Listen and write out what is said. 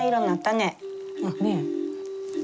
ねえ。